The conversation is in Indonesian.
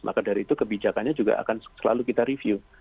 maka dari itu kebijakannya juga akan selalu kita review